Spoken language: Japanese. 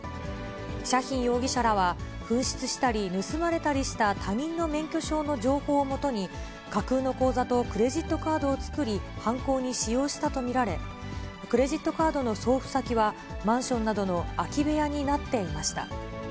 シャヒン容疑者らは、紛失したり盗まれたりした他人の免許証の情報をもとに、架空の口座とクレジットカードを作り、犯行に使用したと見られ、クレジットカードの送付先は、マンションなどの空き部屋になっていました。